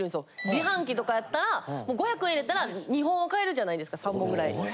自販機とかやったら５００円入れたら２本は買えるじゃないですか３本ぐらい。